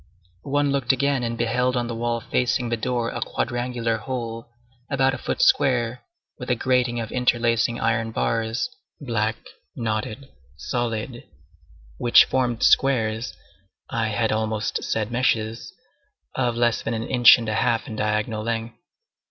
One looked again, and beheld on the wall facing the door a quadrangular hole, about a foot square, with a grating of interlacing iron bars, black, knotted, solid, which formed squares—I had almost said meshes—of less than an inch and a half in diagonal length.